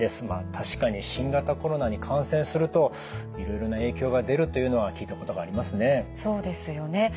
まあ確かに新型コロナに感染するといろいろな影響が出るというのは聞いたことがありますね。